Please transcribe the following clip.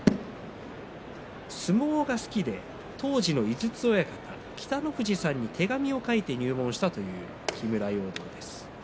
相撲が好きで当時の井筒親方北の富士さんに手紙を書いて入門したという木村容堂です。